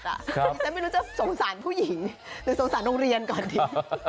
ดิฉันไม่รู้จะสงสารผู้หญิงหรือสงสารโรงเรียนก่อนดี